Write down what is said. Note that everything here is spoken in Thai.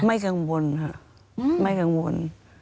ไม่กังวลค่ะไม่กังวล